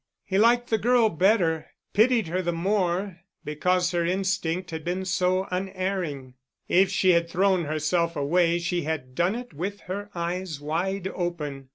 He liked the girl better, pitied her the more, because her instinct had been so unerring. If she had thrown herself away she had done it with her eyes wide open.